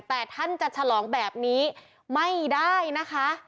แต่ท่านจะฉลองแบบนี้ไม่ได้นะคะ